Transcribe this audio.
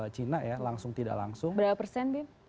cina ya langsung tidak langsung berapa persen bin